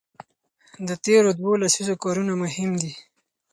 د تېرو دوو لسیزو کارونه مهم دي.